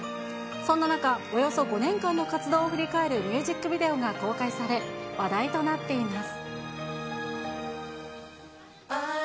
そんな中、およそ５年間の活動を振り返るミュージックビデオが公開され、話題となっています。